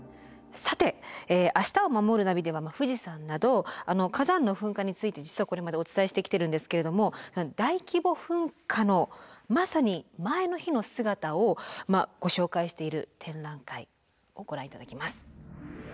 さて「明日をまもるナビ」では富士山など火山の噴火について実はこれまでお伝えしてきてるんですけれども大規模噴火のまさに前の日の姿をご紹介している展覧会をご覧頂きます。